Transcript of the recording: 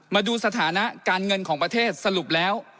มาดูสถานะการเงินของประเทศสรุปแล้ว